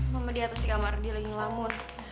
mama di atas kamar dia lagi ngelamun